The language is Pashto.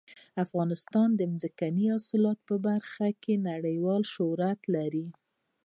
افغانستان د ځنګلي حاصلاتو په برخه کې نړیوال شهرت لري.